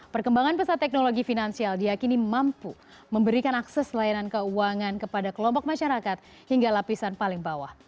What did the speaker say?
perkembangan pesat teknologi finansial diakini mampu memberikan akses layanan keuangan kepada kelompok masyarakat hingga lapisan paling bawah